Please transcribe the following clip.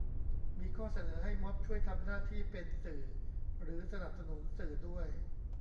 มีข้อเสนอให้ม็อบช่วยทำหน้าที่เป็นสื่อหรือสนับสนุนสื่อด้วย